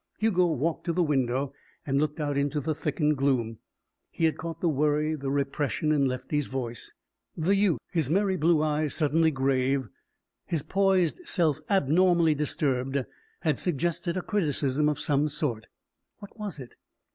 Hugo walked to the window and looked out into the thickened gloom. He had caught the worry, the repression, in Lefty's voice. The youth, his merry blue eyes suddenly grave, his poised self abnormally disturbed, had suggested a criticism of some sort. What was it?